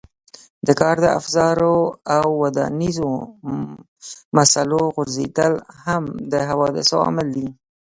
د کار د افزارو او ودانیزو مسالو غورځېدل هم د حوادثو عامل دی.